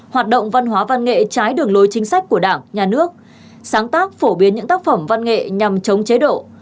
hoạt động văn hóa văn nghệ trái đường lối chính sách của đảng nhà nước sáng tác phổ biến những tác phẩm văn nghệ nhằm chống chế độ